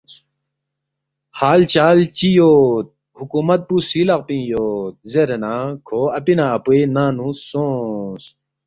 حال چال چِہ یود؟ حکومت پو سُوی لقپِنگ یود؟ زیرے نہ کھو اپی نہ اپوے ننگ نُو سونگس